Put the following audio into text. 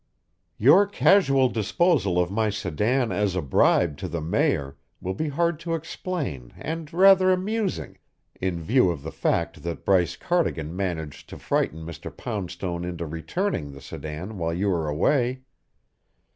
Your casual disposal of my sedan as a bribe to the Mayor will be hard to explain and rather amusing, in view of the fact that Bryce Cardigan managed to frighten Mr. Poundstone into returning the sedan while you were away.